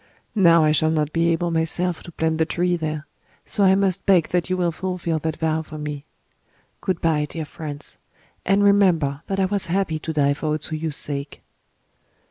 Now I shall not be able myself to plant the tree there: so I must beg that you will fulfill that vow for me... Good bye, dear friends; and remember that I was happy to die for O Tsuyu's sake."